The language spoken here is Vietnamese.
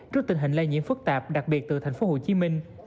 trước tình hình lây nhiễm phức tạp đặc biệt từ thành phố hồ chí minh